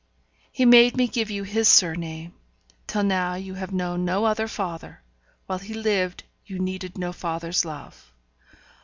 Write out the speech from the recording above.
He made me give you his surname. Till now you have known no other father while he lived you needed no father's love.